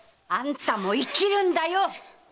あんたも生きるんだよ！